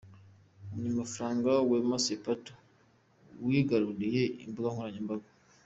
Umunyamafararga Wema Sepetu wigaruriye imbuga nkoranyambaga.